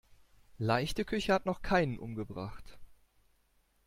Leichte Küche hat noch keinen umgebracht.